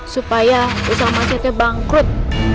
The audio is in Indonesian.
supaya usaha mas setio bangkrut